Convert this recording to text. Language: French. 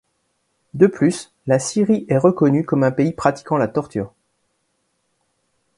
De plus, la Syrie est reconnue comme un pays pratiquant la torture.